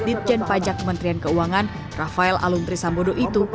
ditjen pajak kementerian keuangan rafael aluntri sambodo itu